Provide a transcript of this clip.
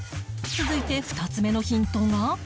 続いて２つ目のヒントが